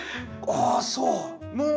ああそう。